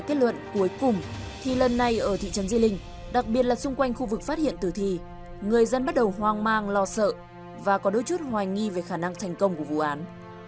kết luận cuối cùng thì lần này ở thị trấn di linh đặc biệt là xung quanh khu vực phát hiện tử thi người dân bắt đầu hoang mang lo sợ và có đôi chút hoài nghi về khả năng thành công của vụ án